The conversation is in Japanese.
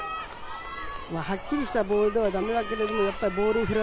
はっきりしたボールではダメだけれども、インコース。